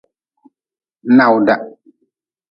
Nawda.